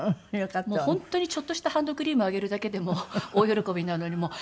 本当にちょっとしたハンドクリームあげるだけでも大喜びなのにもう。